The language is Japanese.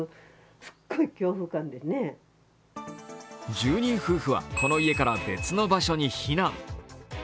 住人夫婦はこの家から別の場所に避難。